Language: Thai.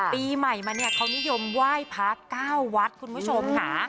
ปีใหม่มาเนี้ยเค้านิยมว่ายพระก้าววัดคุณผู้ชมค่ะ